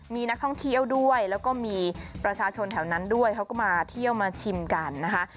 มีนักท่องเที่ยวด้วยแล้วก็มีประชาชนแถวนั้นด้วยเขาก็มาเที่ยวมาชิมกันนะคะ